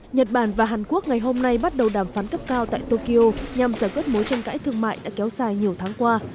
nhật bản và hàn quốc ngày hôm nay bắt đầu đàm phán cấp cao tại tokyo nhằm giải quyết mối tranh cãi thương mại đã kéo dài nhiều tháng qua